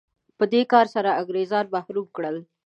په دې کار سره انګرېزان محروم کړل.